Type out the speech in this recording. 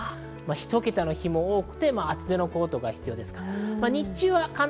ひと桁の日も多く、厚手のコートが必要です。